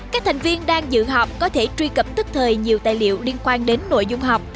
các thành viên đang dự họp có thể truy cập tức thời nhiều tài liệu liên quan đến nội dung họp